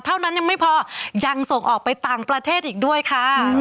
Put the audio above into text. เท่านั้นยังไม่พอยังส่งออกไปต่างประเทศอีกด้วยค่ะ